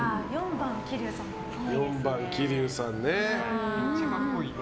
４番、桐生さんかな。